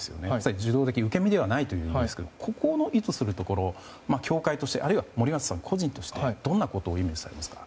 受動的、受け身ではないという意味でここの意図するところ協会として、あるいは森保さん個人としてどんなことをイメージされますか？